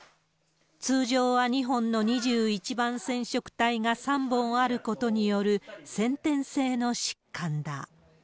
通常は２本の２番染色体が３本あることによる、先天性の疾患だ。